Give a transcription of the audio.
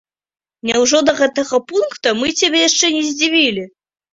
Няўжо да гэтага пункта мы цябе яшчэ не здзівілі?